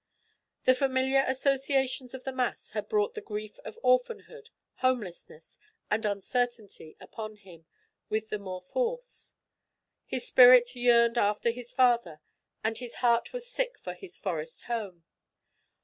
The familiar associations of the mass had brought the grief of orphanhood, homelessness, and uncertainty upon him with the more force. His spirit yearned after his father, and his heart was sick for his forest home.